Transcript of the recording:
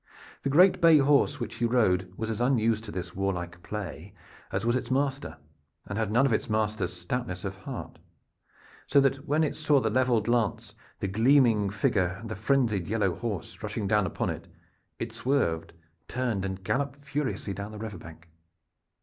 The great bay horse which he rode was as unused to this warlike play as was its master, and had none of its master's stoutness of heart; so that when it saw the leveled lance, the gleaming figure and the frenzied yellow horse rushing down upon it, it swerved, turned and galloped furiously down the river bank.